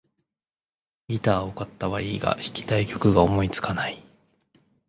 ギターを買ったはいいが、弾きたい曲が思いつかない